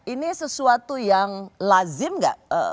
ini sesuatu yang lazim nggak